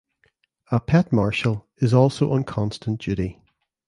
A pet marshal is also on constant duty.